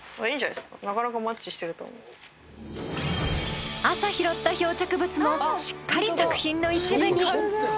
なかなか朝拾った漂着物もしっかり作品の一部に！